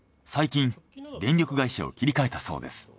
最近電力会社を切り替えたそうです。